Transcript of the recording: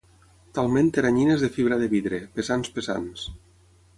Talment teranyines de fibra de vidre, pesants pesants.